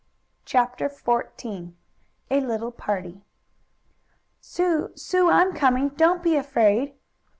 CHAPTER XIV A LITTLE PARTY "Sue! Sue! I'm coming! Don't be afraid!"